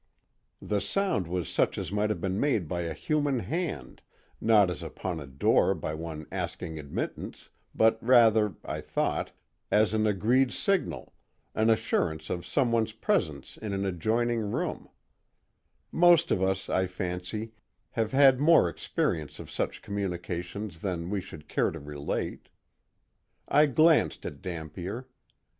The sound was such as might have been made by a human hand, not as upon a door by one asking admittance, but rather, I thought, as an agreed signal, an assurance of someone's presence in an adjoining room; most of us, I fancy, have had more experience of such communications than we should care to relate. I glanced at Dampier.